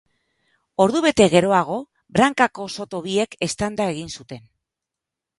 Ordubete geroago, brankako soto biek eztanda egin zuten.